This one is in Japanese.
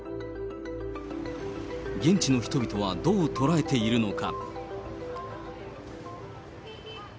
現地の人々はどう捉えているのか。